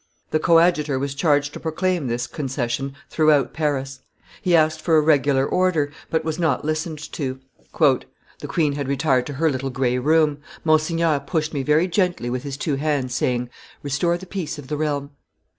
The coadjutor was charged to proclaim this concession throughout Paris; he asked for a regular order, but was not listened to. "The queen had retired to her little gray room. Monsignor pushed me very gently with his two hands, saying, 'Restore the peace of the realm.